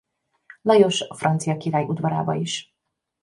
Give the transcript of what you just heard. Lajos francia király udvarába is.